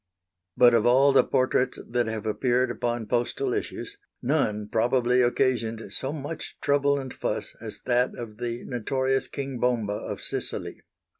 But of all the portraits that have appeared upon postal issues, none probably occasioned so much trouble and fuss as that of the notorious King Bomba of Sicily.